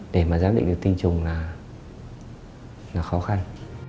để mà giám định được tin chung là khó khăn